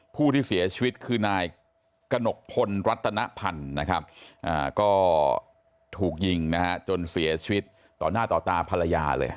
ผู้ที่เสียชีวิตคือนายกระหนกพลรัตนพันธ์นะครับก็ถูกยิงนะฮะจนเสียชีวิตต่อหน้าต่อตาภรรยาเลย